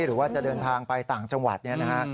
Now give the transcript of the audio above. หรือว่าจะเดินทางไปต่างจังหวัดเนี่ยนะฮะ